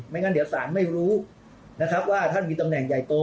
งั้นเดี๋ยวสารไม่รู้นะครับว่าท่านมีตำแหน่งใหญ่โต